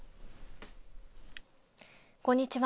こんにちは。